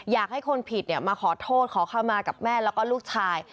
อยากให้คนผิดมาขอโทษขอเข้ามากับแม่แล้วก็ลูกชาย